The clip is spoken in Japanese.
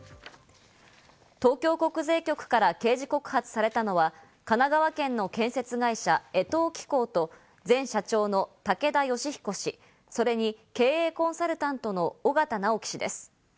東京国税局から刑事告発されたのは神奈川県の建設会社、江藤機工と前社長の竹田芳彦氏、それに経営コンサルタントの小形尚己氏です。